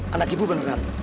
anak ibu beneran